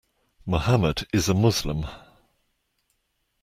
Mohammed is a Muslim.